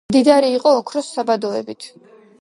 მდიდარი იყო ოქროს საბადოებით.